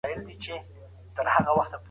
له پېښو سره باید په معقول ډول تعامل وسي.